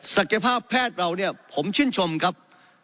ศักยภาพแพทย์เราเนี่ยผมชื่นชมครับ